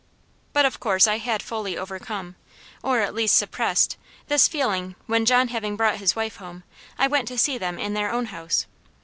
But of course I had fully overcome, or at least suppressed, this feeling when, John having brought his wife home, I went to see them in their own house.